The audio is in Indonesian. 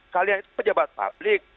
kalian itu pejabat publik